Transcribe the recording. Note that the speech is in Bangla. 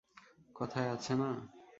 কথায় আছে না?